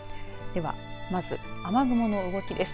では、まず雨雲の動きです。